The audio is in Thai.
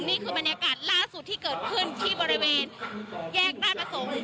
นี่คือบรรยากาศล่าสุดที่เกิดขึ้นที่บริเวณแยกราชประสงค์